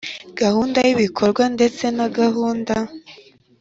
gahunda y ibikorwa ndetse na gahunda